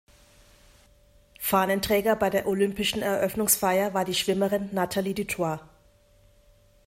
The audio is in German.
Fahnenträger bei der olympischen Eröffnungsfeier war die Schwimmerin Natalie du Toit.